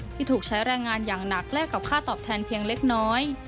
ที่ถูกใช้แรงงานอย่างหนักแลกกับค่าตอบแทนเพียงเล็กน้อย